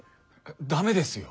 ダメですよ！